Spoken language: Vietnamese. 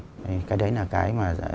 thì cái đấy là cái mà